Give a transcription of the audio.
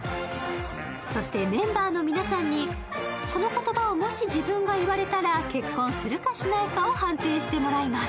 そして、メンバーの皆さんに、その言葉をもし自分が言われたら結婚するかしないかを判定してもらいます。